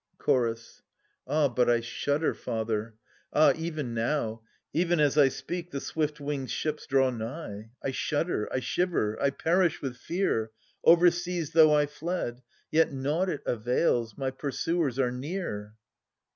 Chorus. Ah but I shudder, father !— ah even now, Even as I speak, the swift winged ships draw nigh ! I shudder, I shiver, I perish with fear : Overseas though I fled. Yet nought it avails ; my pursuers are near.